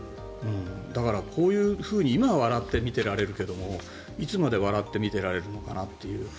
だからこういうふうに今は笑って見ていられるけどいつまで笑って見てられるのかなという。